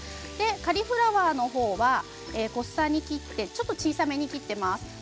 カリフラワーの方は小房に切って、ちょっと小さめに切っています。